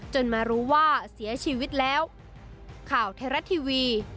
จนมารู้ว่าเสียชีวิตแล้ว